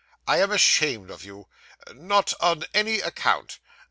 I am ashamed of you. Not on any account.